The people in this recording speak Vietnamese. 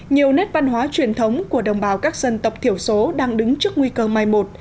nhiều nét văn hóa truyền thống của đồng bào các dân tộc thiểu số đang đứng trước nguy cơ mai một